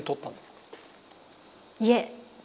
いえ。